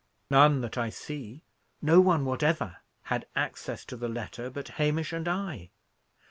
"None that I see. No one whatever had access to the letter but Hamish and I.